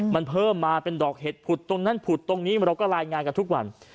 มันเพิ่มมาเป็นดอกเห็ดผุดตรงนั้นผุดตรงนี้เราก็รายงานกันทุกวัน